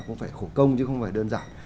không phải khổ công chứ không phải đơn giản